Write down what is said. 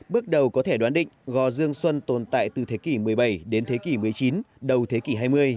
bước đầu có thể đoán định gò dương xuân tồn tại từ thế kỷ một mươi bảy đến thế kỷ một mươi chín đầu thế kỷ hai mươi